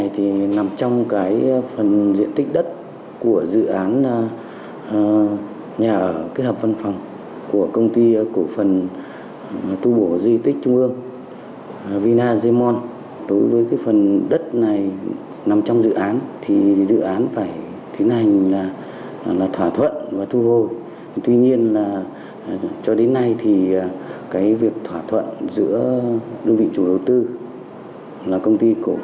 thỏa thuận giữa đơn vị chủ đầu tư là công ty cổ phần tu bổ di tích trung ương